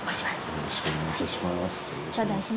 よろしくお願いします。